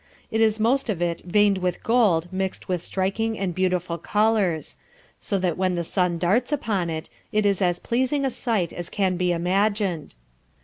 It is most of it veined with gold mixed with striking and beautiful colours; so that when the sun darts upon it, it is as pleasing a sight as can be imagined.